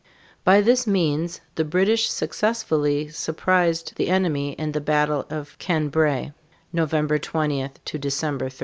By this means the British successfully surprised the enemy in the battle of Cambrai (cahn brĕ´; November 20 to December 13).